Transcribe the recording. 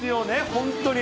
本当に。